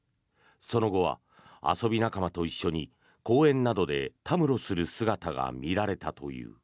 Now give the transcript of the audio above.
その後は遊び仲間と一緒に公園などでたむろする姿が見られたという。